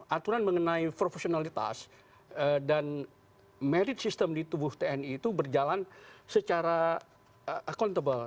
aturan mengenai profesionalitas dan merit system di tubuh tni itu berjalan secara accountable